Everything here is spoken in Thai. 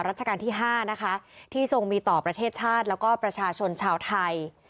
ราชการที่๕นะคะที่ทรงมีต่อประเทศชาติแล้วก็ประชาชนชาวไทย